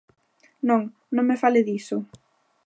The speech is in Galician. Non, non me fale diso.